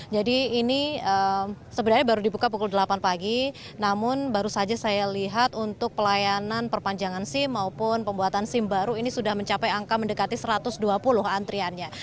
jadi ini sebenarnya baru dibuka pukul delapan pagi namun baru saja saya lihat untuk pelayanan perpanjangan sim maupun pembuatan sim baru ini sudah mencapai angka mendekati satu ratus dua puluh antriannya